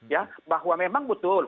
ya bahwa memang betul